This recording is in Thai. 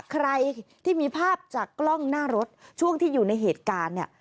ใครที่มีภาพจากกล้องหน้ารถช่วงที่อยู่ในเหตุการณ์เนี่ย